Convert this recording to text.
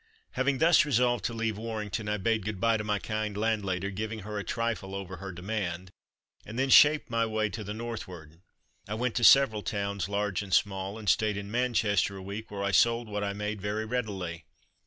Having thus resolved to leave Warrington I bade goodbye to my kind landlady, giving her a trifle over her demand, and then shaped my way to the northward. I went to several towns, large and small, and stayed in Manchester a week, where I sold what I made very readily.